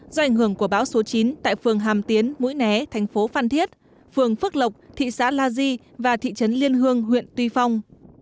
do ảnh hưởng của bão số chín tại phường hàm tiến mũi né thành phố phan thiết phường phước lộc thị xã la di và thị trấn liên hương huyện tuy phong